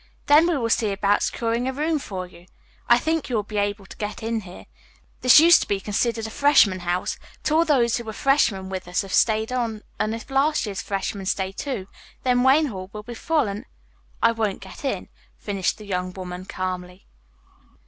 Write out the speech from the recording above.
Then we will see about securing a room for you. I think you will be able to get in here. This used to be considered a freshman house, but all those who were freshmen with us have stayed on, and if last year's freshmen stay, too, then Wayne Hall will be full and " "I won't get in," finished the young woman calmly.